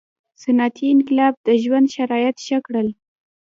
• صنعتي انقلاب د ژوند شرایط ښه کړل.